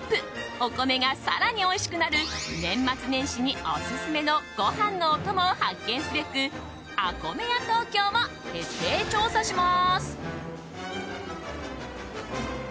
お米が更においしくなる年末年始にオススメのご飯のお供を発見すべくＡＫＯＭＥＹＡＴＯＫＹＯを徹底調査します。